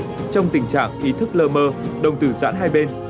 trong tình trạng ý thức lơ mơ đồng tử giãn hai bên